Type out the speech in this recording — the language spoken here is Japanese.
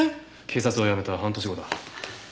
警察を辞めた半年後だ。